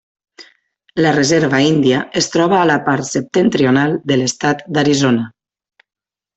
La reserva índia es troba a la part septentrional de l'estat d'Arizona.